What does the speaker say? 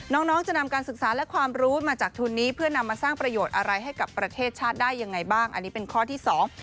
น้องน้องจะนำการศึกษาและความรู้มาจากทุนนี้เพื่อนำมาสร้างประโยชน์อะไรให้กับประเทศชาติได้ยังไงบ้างอันนี้เป็นข้อที่สอง